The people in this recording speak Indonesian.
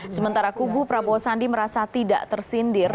sementara kubu prabowo sandi merasa tidak tersindir